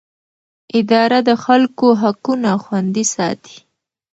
اداره د خلکو حقونه خوندي ساتي.